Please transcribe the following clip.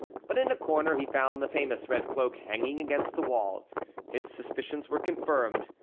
But in a corner he found the famous red cloak hanging against the wall. His suspicions were confirmed.